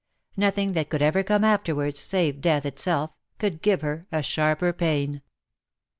Nothing that could ever come afterwards — save death itself — could give her sharper pain.